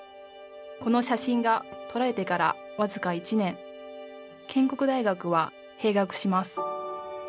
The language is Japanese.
この写真が撮られてからわずか１年建国大学は閉学します